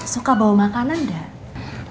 suka bawa makanan enggak